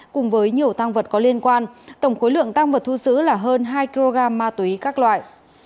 cùng với nhiều tăng vật có liên quan tổng khối lượng tăng vật thu giữ là hơn hai kg ma túy các loại